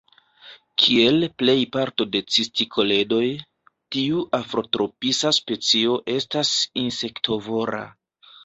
Kiel plej parto de cistikoledoj, tiu afrotropisa specio estas insektovora.